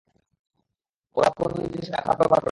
ওরা পোন্নি দিদির সাথে খারাপ ব্যবহার করছে।